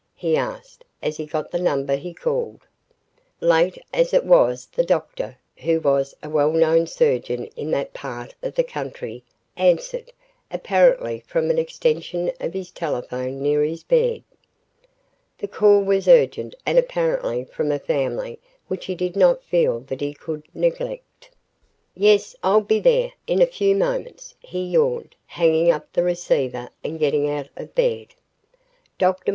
he asked as he got the number he called. Late as it was the doctor, who was a well known surgeon in that part of the country, answered, apparently from an extension of his telephone near his bed. The call was urgent and apparently from a family which he did not feel that he could neglect. "Yes, I'll be there in a few moments," he yawned, hanging up the receiver and getting out of bed. Dr.